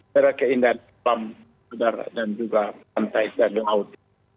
dengan keindahan pembedar dan juga pantai dan laut